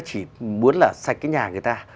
chỉ muốn là sạch cái nhà người ta